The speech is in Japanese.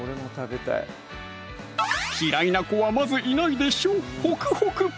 嫌いな子はまずいないでしょう